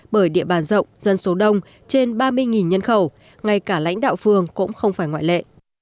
bởi địa bàn rộng dân số đông trên ba mươi nhân khẩu ngay cả lãnh đạo phường cũng không phải ngoại lệ